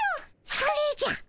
それじゃ！